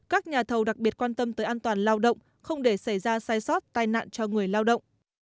các nhà thầu đặc biệt quan tâm tới an toàn lao động không để xảy ra sai sót tai nạn cho người lao động